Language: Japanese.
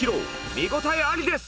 見応えありです！